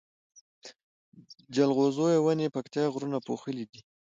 جلغوزيو ونی پکتيا غرونو پوښلي دی